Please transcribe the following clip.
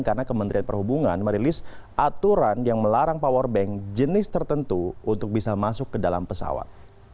karena kementerian perhubungan merilis aturan yang melarang powerbank jenis tertentu untuk bisa masuk ke dalam pesawat